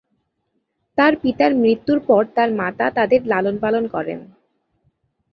তার পিতার মৃত্যুর পর তার মাতা তাদের লালনপালন করেন।